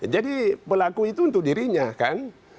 jadi pelaku itu untuk dirinya kan